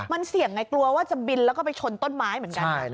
มันเสี่ยงไงกลัวว่าจะบินแล้วก็ไปชนต้นไม้เหมือนกัน